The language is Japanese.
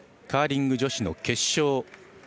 カーリング女子の決勝。